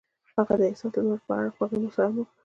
هغې د حساس لمر په اړه خوږه موسکا هم وکړه.